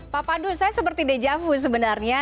pak pandu saya seperti dejavu sebenarnya